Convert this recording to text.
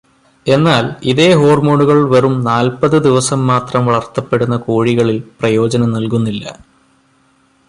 എന്നാല്, ഇതേ ഹോർമോണുകൾ വെറും നാല്പതു ദിവസം മാത്രം വളര്ത്തപ്പെടുന്ന കോഴികളിൽ പ്രയോജനം നൽകുന്നില്ല.